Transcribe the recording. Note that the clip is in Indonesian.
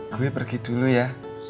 gue pergi dulu ya